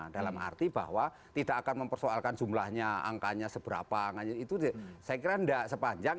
dalam arti bahwa tidak akan mempersoalkan jumlahnya angkanya seberapa itu saya kira tidak sepanjang